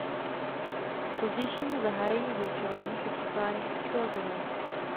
K pozdějšímu zahájení vyučování se přiklání i psychologové.